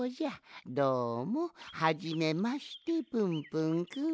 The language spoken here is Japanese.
どうもはじめましてぷんぷんくん。